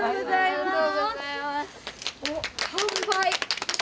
おっ、完売。